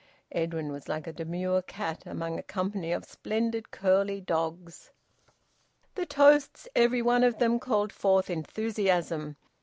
Edwin was like a demure cat among a company of splendid curly dogs. The toasts, every one of them, called forth enthusiasm.